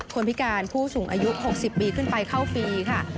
พิการผู้สูงอายุ๖๐ปีขึ้นไปเข้าฟรีค่ะ